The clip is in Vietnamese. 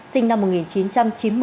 sinh năm một nghìn chín trăm chín mươi